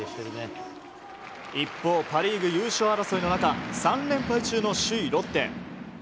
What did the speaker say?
一方、パ・リーグ優勝争いの中３連敗中の首位ロッテ。